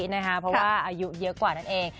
เพราะว่าอายุเยอะกว่านั่นเอง